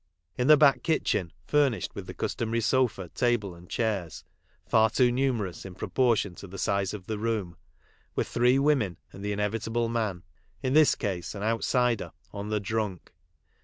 In the back kitchen^ furnished with the customary sofa, table, and chairs, far too numerous in proportion to the size of the room, were three women and the in evitable man, in this case an outsider "on the drunk."